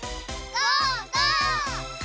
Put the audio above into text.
ゴー！